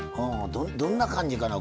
どんな感じかな。